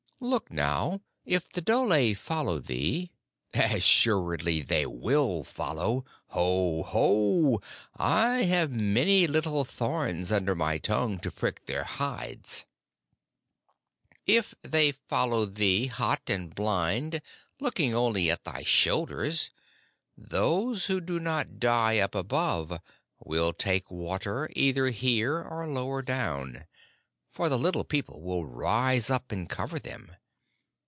Look now, if the dhole follow thee " "As surely they will follow. Ho! ho! I have many little thorns under my tongue to prick into their hides." "If they follow thee hot and blind, looking only at thy shoulders, those who do not die up above will take water either here or lower down, for the Little People will rise up and cover them.